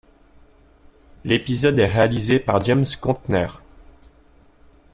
L'épisode est réalisé par James Contner.